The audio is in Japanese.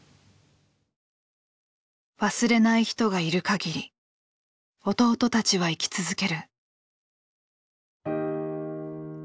忘れない人がいるかぎり弟たちは生き続ける。